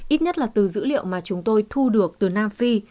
ít nhất là từ dữ liệu mà chúng tôi thu được từ nam phi